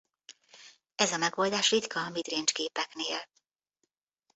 Ez a megoldás ritka a mid-range gépeknél.